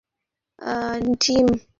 খটকা ধরে ফেলেছি, জিম।